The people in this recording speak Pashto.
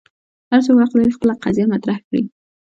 هر څوک حق لري خپل قضیه مطرح کړي.